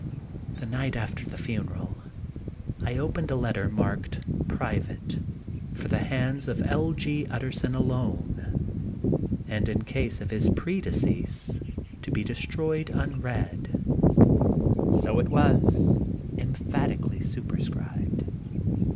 The night after the funeral, I opened a letter marked, " Private ; for the hands of L. G. Utterson alone, and in case of his pre decease, to be destroyed unread, *' ŌĆö so it was emphatically superscribed.